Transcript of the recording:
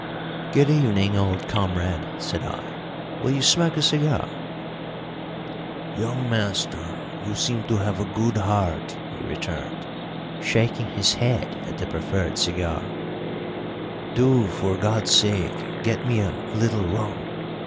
"Good evening, old comrade," said I; "will you smoke a cigar?" "Young master, you seem to have a good heart," he returned, shaking his head at the proffered cigar, "do, for God's sake, get me a little rum.